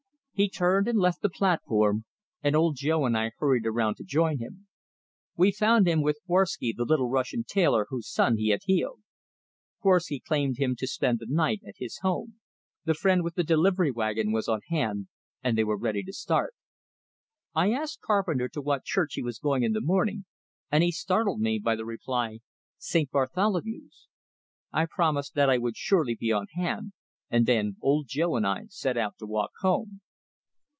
He turned and left the platform, and Old Joe and I hurried around to join him. We found him with Korwsky the little Russian tailor whose son he had healed. Korwsky claimed him to spend the night at his home; the friend with the delivery wagon was on hand, and they were ready to start. I asked Carpenter to what church he was going in the morning, and he startled me by the reply, "St. Bartholomew's." I promised that I would surely be on hand, and then Old Joe and I set out to walk home.